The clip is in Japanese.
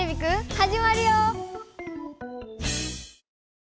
はじまるよ！